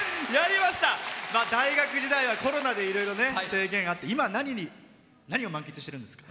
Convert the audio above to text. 大学時代はコロナでいろいろ制限があって今、何を満喫してるんですか？